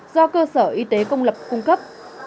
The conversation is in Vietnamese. do cơ sở y tế công lập cung cấp